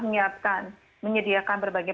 menyiapkan menyediakan berbagai